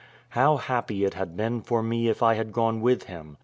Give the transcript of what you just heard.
How happy it had been for me if I had gone with him.